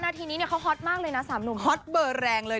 ทีนี้เนี่ยเขาฮอตมากเลยนะ๓หนุ่มฮอตเบอร์แรงเลย